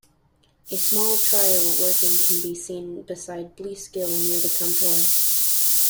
A small trial working can be seen beside Blease Gill near the contour.